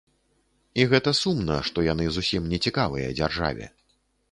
І гэта сумна, што яны зусім не цікавыя дзяржаве.